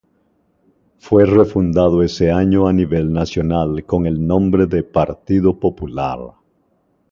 Fue refundado ese año a nivel nacional con el nombre de Partido Popular.